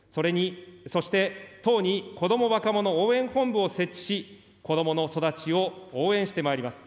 そして、とうにこども・若者応援本部を設置し、子どもの育ちを応援してまいります。